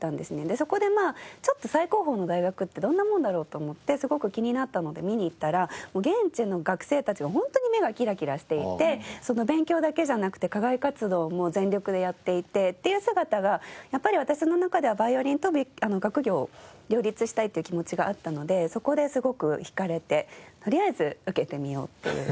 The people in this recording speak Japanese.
そこで最高峰の大学ってどんなものだろうと思ってすごく気になったので見に行ったら現地の学生たちがホントに目がキラキラしていて勉強だけじゃなくて課外活動も全力でやっていてっていう姿がやっぱり私の中ではヴァイオリンと学業を両立したいっていう気持ちがあったのでそこですごく惹かれてとりあえず受けてみようっていう。